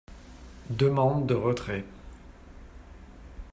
Demande de retrait.